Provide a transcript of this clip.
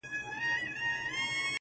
له دې نه پس دې د شېرينې په نوم نه پېژنم~